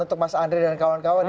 untuk mas andri dan kawan kawan ini